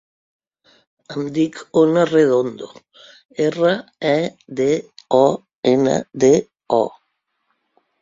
Em dic Ona Redondo: erra, e, de, o, ena, de, o.